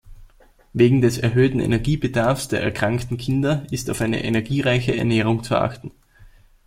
Wegen des erhöhten Energiebedarfs der erkrankten Kinder ist auf eine energiereiche Ernährung zu achten.